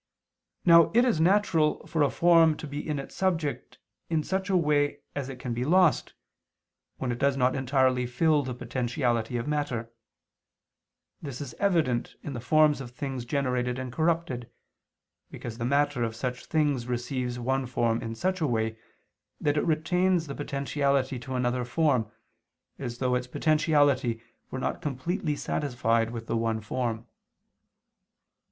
Now it is natural for a form to be in its subject in such a way that it can be lost, when it does not entirely fill the potentiality of matter: this is evident in the forms of things generated and corrupted, because the matter of such things receives one form in such a way, that it retains the potentiality to another form, as though its potentiality were not completely satisfied with the one form.